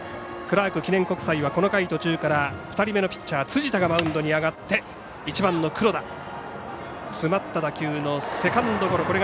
クラーク記念国際はこの回途中から２人目のピッチャー辻田がマウンドに上がって１番の黒田、詰まった打球のセカンドゴロ。